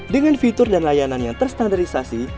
dengan fitur dan layanan yang terstandarisasi